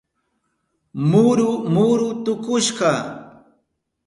Muru muru tukushka.